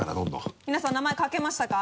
では皆さん名前書けましたか？